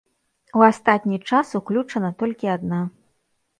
У астатні час уключана толькі адна.